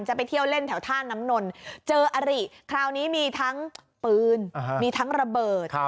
จะไปเที่ยวเล่นแถวท่าน้ำนนเจออริคราวนี้มีทั้งปืนมีทั้งระเบิด